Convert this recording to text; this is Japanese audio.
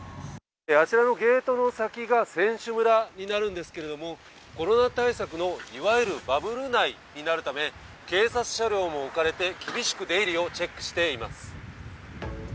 あちらのゲートの先が選手村になるんですけれども、コロナ対策のいわゆるバブル内になるため、警察車両も置かれて、厳しく出入りをチェックしています。